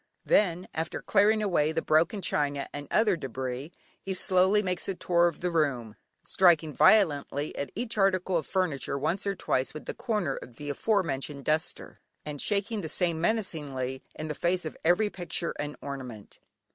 Then, after clearing away the broken china and other debris, he slowly makes a tour of the room, striking violently at each article of furniture once or twice with the corner of the afore mentioned duster, and shaking the same menacingly in the face of every picture and ornament.